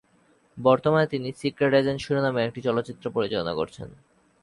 বর্তমানে তিনি "secret agent" শিরোনামের একটি চলচ্চিত্র পরিচালনা করেছেন।